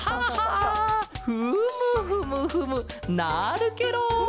フムフムフムなるケロ！